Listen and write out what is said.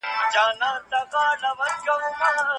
موږ د شفافيت او حساب ورکونې پلويان يو.